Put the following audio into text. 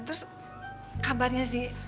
terus kabarnya sih